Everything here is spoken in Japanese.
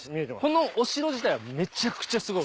このお城自体はめちゃくちゃすごい。